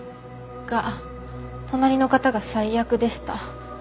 が隣の方が最悪でした。